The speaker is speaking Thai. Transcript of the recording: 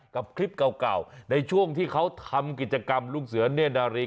คลิปเก่าในช่วงที่เขาทำกิจกรรมลูกเสือเน่นนารี